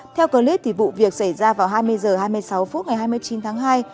theo clip vụ việc xảy ra vào hai mươi h hai mươi sáu phút ngày hai mươi chín tháng hai